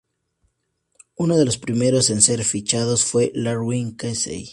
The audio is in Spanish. Uno de los primeros en ser fichados fue Lawrence Casey.